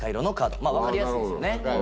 まぁ分かりやすいですよね。